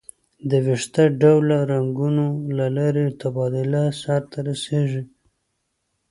د ویښته ډوله رګونو له لارې تبادله سر ته رسېږي.